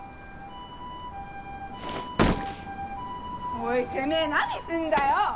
おいてめえ何すんだよ